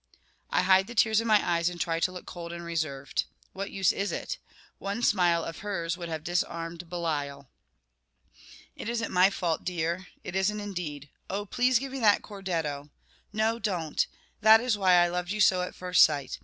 I hide the tears in my eyes, and try to look cold and reserved. What use is it? One smile of hers would have disarmed Belial. "It isn't my fault, dear. It isn't indeed. Oh, please give me that cordetto. No don't. That is why I loved you so at first sight.